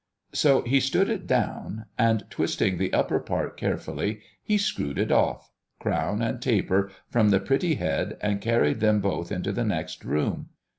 So he stood it down, and twisting the upper part carefully, he screwed it off, crown and taper, from the pretty head, and carried them both into the next room.